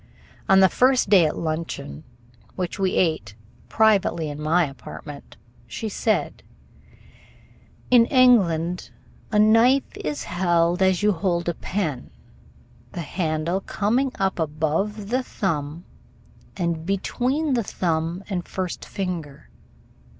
On the first day at luncheon, which we ate privately in my apartment, she said: "In England a knife is held as you hold a pen, the handle coming up above the thumb and between the thumb and first finger."